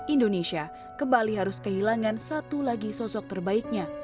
indonesia kembali harus kehilangan satu lagi sosok terbaiknya